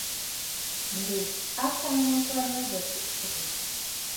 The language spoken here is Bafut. Ǹdè a nsaŋnə ŋkwɛrə nɨ̂ bə̂ tsiʼì sɨgɨ̀nə̀.